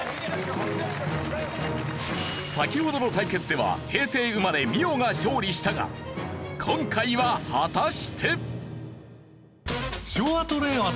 先ほどの対決では平成生まれ美緒が勝利したが今回は果たして！？